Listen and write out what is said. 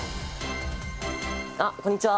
あっこんにちは！